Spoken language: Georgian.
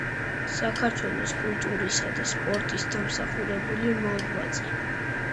საქართველოს კულტურისა და სპორტის დამსახურებული მოღვაწე.